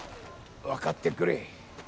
分かってくれ。